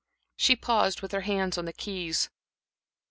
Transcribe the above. She paused, with her hands on the keys.